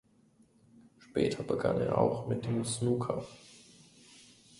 Später begann er auch mit dem Snooker.